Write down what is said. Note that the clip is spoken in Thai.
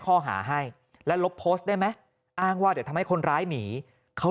ข้อหาให้แล้วลบโพสต์ได้ไหมอ้างว่าเดี๋ยวทำให้คนร้ายหนีเขา